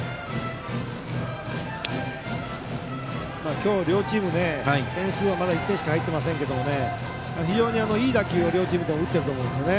今日両チーム、点数はまだ１点しか入っていませんが非常にいい打球を両チームとも打ってると思います。